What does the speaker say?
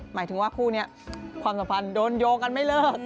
หมายถึงว่าคู่นี้ความสัมพันธ์โดนโยงกันไม่เลิก